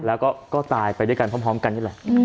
แล้วก็ตายไปด้วยกันพร้อมกันนี่แหละ